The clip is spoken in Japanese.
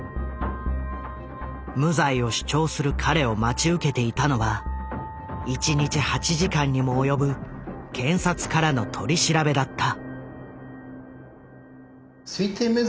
無罪を主張する彼を待ち受けていたのは１日８時間にも及ぶ検察からの取り調べだった。